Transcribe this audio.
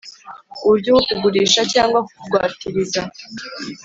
Uburyo bwo kugurisha cyangwa kugwatiriza